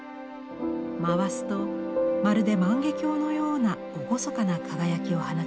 回すとまるで万華鏡のような厳かな輝きを放ちます。